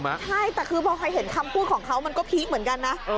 ใช่แต่คือพอใครเห็นคำพูดของเขามันก็พีคเหมือนกันนะ